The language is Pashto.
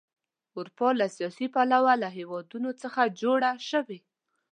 اروپا له سیاسي پلوه له هېوادونو څخه جوړه شوې.